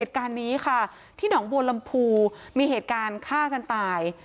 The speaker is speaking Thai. เหตุการณ์นี้ค่ะที่หนองบัวลำพูมีเหตุการณ์ฆ่ากันตาย